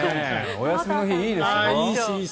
お休みの日、いいですよ。